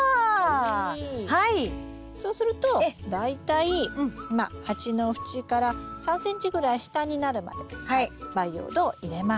そうすると大体鉢の縁から３ｃｍぐらい下になるまで培養土を入れます。